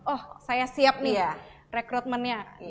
oh saya siap nih rekrutmennya